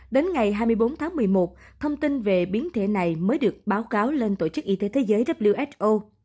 đến ngày hai mươi bốn tháng một mươi một thông tin về biến thể này mới được báo cáo lên tổ chức y tế thế giới who